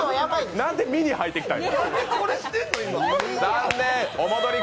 何でミニはいてきたん？